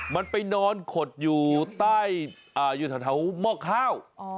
มันไปนอนขดอยู่ใต้อยู่แถวหม้อข้าว